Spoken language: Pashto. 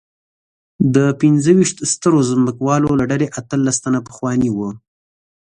د پنځه ویشت سترو ځمکوالو له ډلې اتلس تنه پخواني وو.